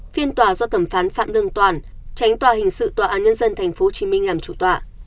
phiên tòa do thẩm phán phạm lương toản tránh tòa hình sự tòa án nhân dân tp hcm làm chủ tòa